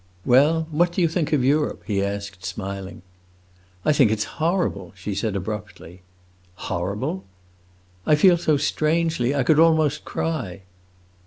"Well, what do you think of Europe?" he asked, smiling. "I think it 's horrible!" she said abruptly. "Horrible?" "I feel so strangely I could almost cry."